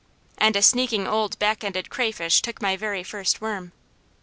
and a sneaking old back ended crayfish took my very first worm.